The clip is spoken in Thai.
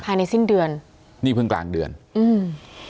ภายในสิ้นเดือนนี่เพิ่งกลางเดือนอืม